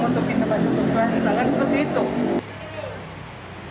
kalau saya tidak punya uang untuk bisa masuk ke swasta kan seperti itu